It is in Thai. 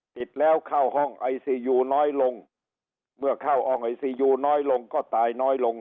ติดแล้วเข้าห้องไอซียูน้อยลงเมื่อเข้าห้องไอซียูน้อยลงก็ตายน้อยลง